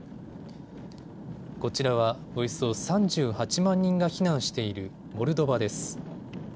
こちらは、およそ３８万人が避難しているモルドバです。